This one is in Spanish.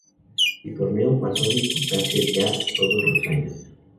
El torneo pasó a disputarse ya todos los años.